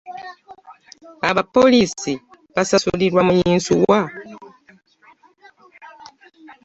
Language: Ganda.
Abapoliisi basasulierwa mu “yinsuwa”?